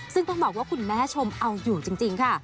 ซึ่งต้องบอกว่าคุณแม่ชมเอาอยู่จริงค่ะ